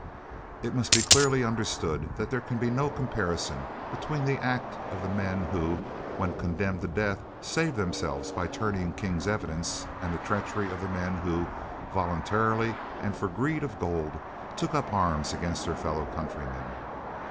It must be clearly understood that there can be no comparison between the act of the men who, when condemned to death, saved themselves by turning King's evidence and the treachery of the men who, voluntarily and for greed of gold, took up arms against their fellow countrymen.